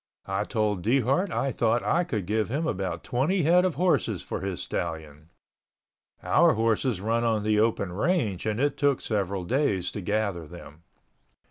I told Dehart I thought I could give him about 20 head of horses for his stallion. Our horses run on the open range and it took several days to gather them.